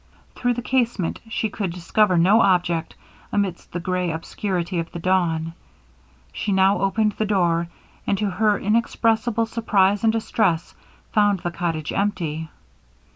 Through the casement she could discover no object, amidst the grey obscurity of the dawn. She now opened the door, and, to her inexpressible surprise and distress, found the cottage empty.